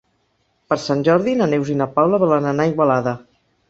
Per Sant Jordi na Neus i na Paula volen anar a Igualada.